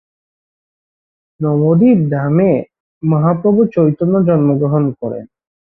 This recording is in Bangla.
নবদ্বীপ ধামে মহাপ্রভু চৈতন্য জন্মগ্রহণ করেন।